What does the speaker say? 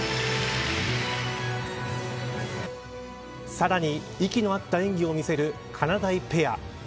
さらに息の合った演技を見せるかなだいペア。